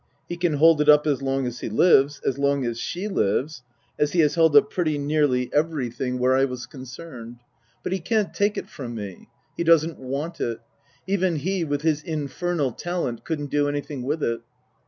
He can hold it up as long as he lives as long as she lives as he has held up pretty nearly everything I* 4 Tasker Jevons where I was concerned. But he can't take it from me. He doesn't " want " it. Even he with his infernal talent couldn't do anything with it.